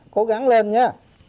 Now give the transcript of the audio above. cố gắng lên nha